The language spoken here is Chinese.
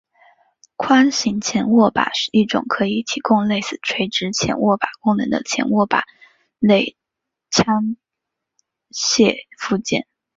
宽型前握把是一种可以提供类似垂直前握把功能的前握把类枪械附件。